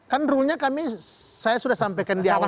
kan rule nya kami saya sudah sampaikan di awal